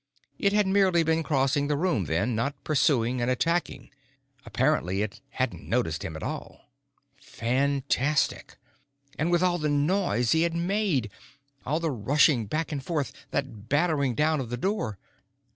It had merely been crossing the room, then, not pursuing and attacking. Apparently it hadn't noticed him at all. Fantastic. And with all the noise he had made! All that rushing back and forth, that battering down of the door!